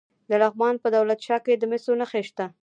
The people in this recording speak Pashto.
د لغمان په دولت شاه کې د مسو نښې شته.